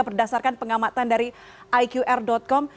berdasarkan pengamatan dari iqr com